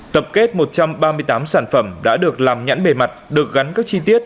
tập kết một trăm ba mươi tám sản phẩm đã được làm nhãn bề mặt được gắn các chi tiết